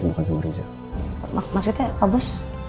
maksudnya pak bus